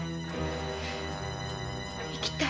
行きたい。